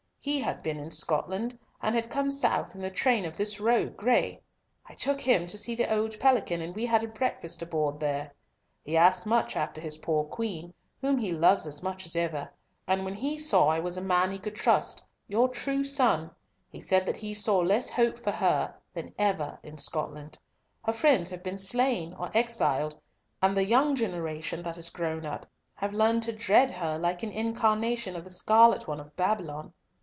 He had been in Scotland, and had come south in the train of this rogue, Gray. I took him to see the old Pelican, and we had a breakfast aboard there. He asked much after his poor Queen, whom he loves as much as ever, and when he saw I was a man he could trust, your true son, he said that he saw less hope for her than ever in Scotland—her friends have been slain or exiled, and the young generation that has grown up have learned to dread her like an incarnation of the scarlet one of Babylon.